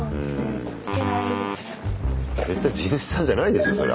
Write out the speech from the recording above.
絶対地主さんじゃないでしょそれ。